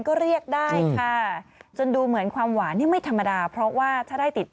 ก็เรียกได้ค่ะจนดูเหมือนความหวานนี่ไม่ธรรมดาเพราะว่าถ้าได้ติด